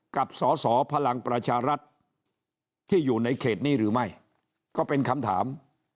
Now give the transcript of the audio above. กับสอสอพลังประชารัฐที่อยู่ในเขตนี้หรือไม่ก็เป็นคำถาม